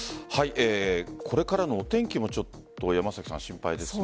これからのお天気も山崎さん、心配ですね。